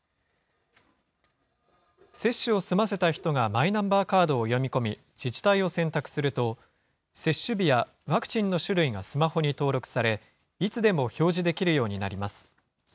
接種を済ませた人がマイナンバーカードを読み込み、自治体を選択すると、接種日やワクチンの種類がスマホに登録され、いつでも表示できるようになります。